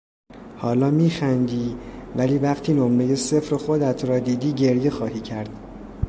حالا میخندی ولی وقتی نمرهی صفر خودت را دیدی گریه خواهی کرد!